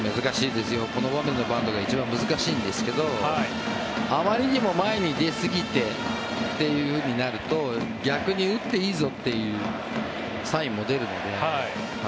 この場面のバントが一番難しいんですけどあまりにも前に出すぎてとなると逆に打っていいぞというサインも出るので。